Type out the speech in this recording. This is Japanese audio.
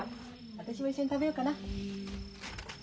私も一緒に食べようかな。